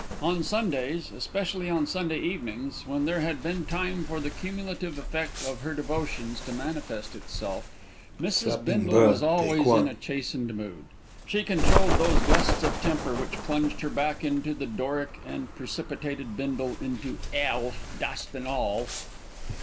On Sundays, especially on Sunday evenings, when there had been time for the cumulative effect of her devotions to manifest itself, Mrs. Bindle was always in a chastened mood. She controlled those gusts of temper which plunged her back into the Doric and precipitated Bindle "into 'ell, dust an' all."